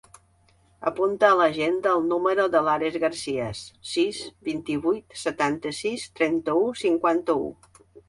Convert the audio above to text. Apunta a l'agenda el número de l'Ares Garcias: sis, vint-i-vuit, setanta-sis, trenta-u, cinquanta-u.